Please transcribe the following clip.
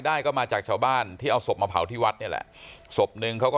ได้ก็มาจากชาวบ้านที่เอาศพมาเผาที่วัดนี่แหละศพนึงเขาก็